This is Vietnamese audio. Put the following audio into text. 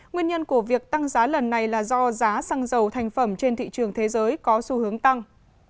nguyên nhân của việc tăng giá lần này là do giá xăng dầu thành phẩm trên thị trường thế giới có xu hướng tăng